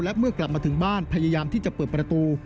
และเมื่อกลับมาถึงบ้านพยายามที่จะเปิดประตู